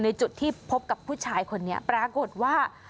จุดที่พบกับผู้ชายคนนี้ปรากฏว่า